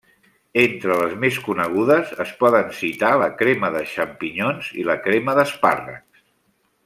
Entre les més conegudes, es poden citar la crema de xampinyons i la crema d'espàrrecs.